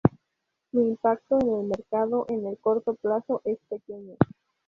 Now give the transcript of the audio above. Su impacto en el mercado en el corto plazo es pequeño.